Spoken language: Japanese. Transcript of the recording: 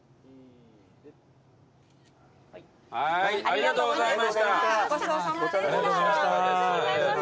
ありがとうございます。